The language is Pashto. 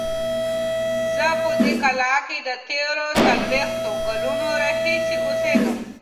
زه په دې کلا کې د تېرو څلوېښتو کلونو راهیسې اوسیږم.